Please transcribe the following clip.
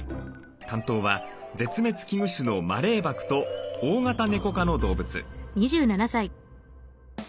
担当は絶滅危惧種のマレーバクと大型ネコ科の動物。